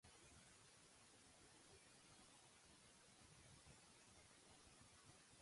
Cambridge and the lone woman, Mrs. Beryl Joseph.